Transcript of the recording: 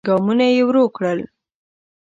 ګامونه يې ورو کړل.